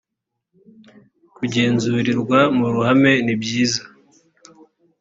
kugenzurirwa mu ruhame nibyiza